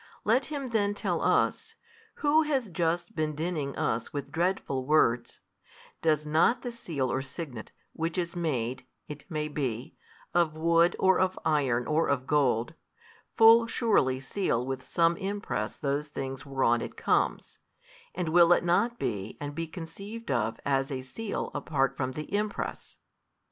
Let him then tell us, who has just been dinning us with dreadful words, Does not the seal or signet, which is made (it may be) of wood or of iron or of gold, full surely seal with |350 some impress those things whereon it comes, and will it not be and be conceived of as a seal apart from the impress?